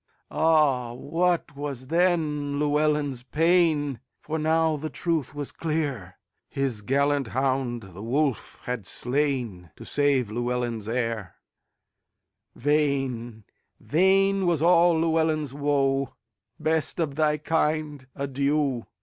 Ah, what was then Llewelyn's pain! For now the truth was clear; His gallant hound the wolf had slainTo save Llewelyn's heir:Vain, vain was all Llewelyn's woe;"Best of thy kind, adieu!